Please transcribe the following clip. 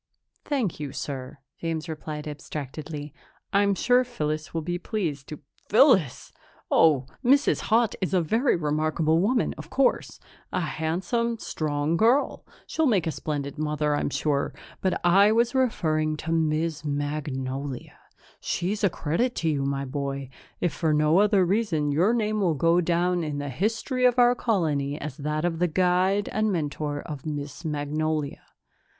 "Thank you, sir," James replied abstractedly. "I'm sure Phyllis will be pleased to " "Phyllis! Oh, Mrs. Haut is a very remarkable woman, of course. A handsome, strong girl; she'll make a splendid mother, I'm sure. But I was referring to Miss Magnolia. She's a credit to you, my boy. If for no other reason, your name will go down in the history of our colony as that of the guide and mentor of Miss Magnolia.